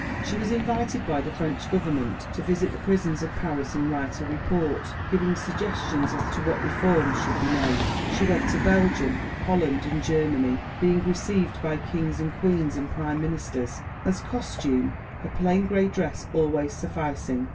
She was invited by the French Government to visit the prisons of Paris and write a report, giving suggestions as to what reforms should be made. She went to Belgium, Holland and Germany, being received by kings and queens and prime ministers as costume, her plain gray dress always sufficing.